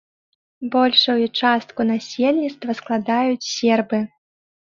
Большую частку насельніцтва складаюць сербы.